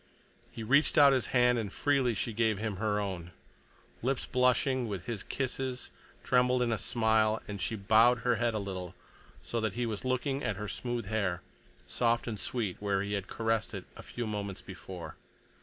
He reached out his hand, and freely she gave him her own. Lips blushing with his kisses trembled in a smile, and she bowed her head a little, so that he was looking at her smooth hair, soft and sweet where he had caressed it a few moments before.